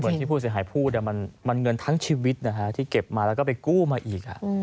เหมือนที่ผู้เสียหายผู้ค่ะมันเงินทั้งชีวิตให้เก็บมาไปกู้มาอีก